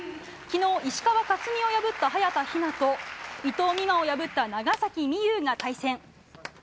昨日、石川佳純を破った早田ひなと伊藤美誠を破った長崎美柚が対戦。